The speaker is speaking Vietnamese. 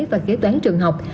và kế toán trường học